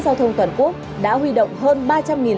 giao thông toàn quốc đã huy động hơn